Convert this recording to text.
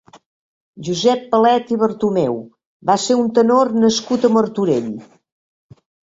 Josep Palet i Bartomeu va ser un tenor nascut a Martorell.